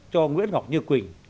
cho nguyễn ngọc như quỳnh